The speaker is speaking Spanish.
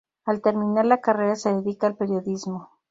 Al terminar la carrera se dedica al periodismo.